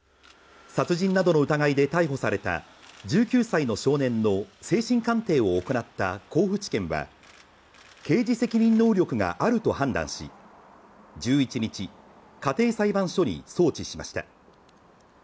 殺人などの疑いで逮捕された１９歳の少年の精神鑑定を行った甲府地検は、刑事責任能力があると判断し、１１日、家庭裁判所に送致しました。